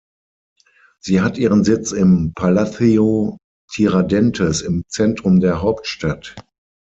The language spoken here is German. Sie hat ihren Sitz im Palácio Tiradentes im Zentrum der Hauptstadt.